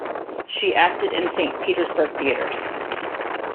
She acted in Saint Petersburg theaters.